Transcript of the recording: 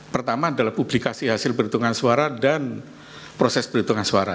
pertama adalah publikasi hasil perhitungan suara dan proses perhitungan suara